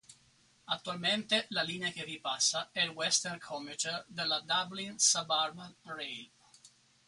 Attualmente la linea che vi passa è il Western Commuter della Dublin Suburban Rail.